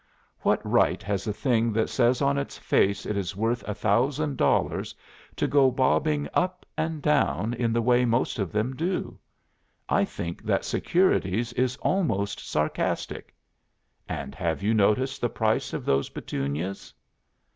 What right has a thing that says on its face it is worth a thousand dollars to go bobbing up and down in the way most of them do? I think that securities is almost sarcastic. And have you noticed the price of those Petunias?